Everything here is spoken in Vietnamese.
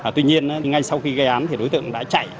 tuy nhiên ngay sau khi gây án thì đối tượng đã chạy